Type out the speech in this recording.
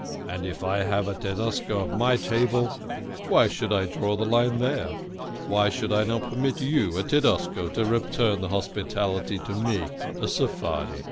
And if I have a Tedesco at my table, why should I draw the line there ? Why should I not permit you, a Tedesco, to return the hospitality to me, a Sephardi